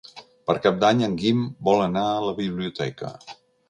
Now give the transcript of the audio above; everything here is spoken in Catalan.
Per Cap d'Any en Guim vol anar a la biblioteca.